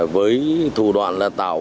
với thủ đoạn là tạo